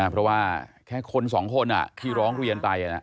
เพราะว่าแค่คนสองคนที่ร้องเรียนไป